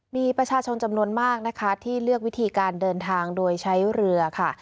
มีประชาชนจำนวนมากนะคะที่เลือกวิธีการเดินทางโดยใช้เรือค่ะ